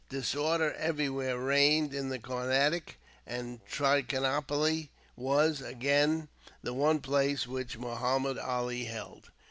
Disorder everywhere reigned in the Carnatic, and Trichinopoli was, again, the one place which Muhammud Ali held.